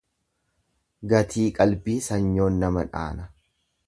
Gatii qalbii sanyoon nama dhaana.